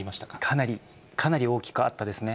かなり、かなり大きくあったですね。